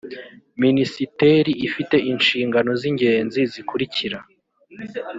minisiteri ifite inshingano z ingenzi zikurikira